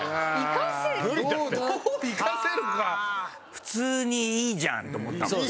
普通にいいじゃんと思ったもん。